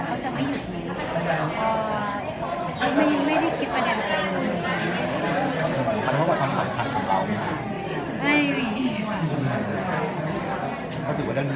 ขอว่าเขาจะไม่หยุดดี